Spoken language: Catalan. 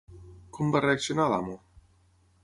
Com va reaccionar l'amo?